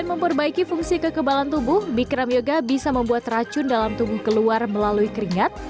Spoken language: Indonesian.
dan memperbaiki fungsi kekebalan tubuh bikram yoga bisa membuat racun dalam tubuh keluar melalui keringat